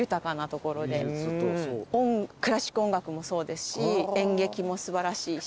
クラシック音楽もそうですし演劇も素晴らしいし。